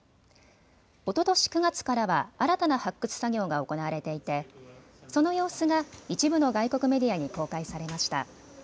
おととし９月からは新たな発掘作業が行われていてその様子が一部の外国メディアに公開されました。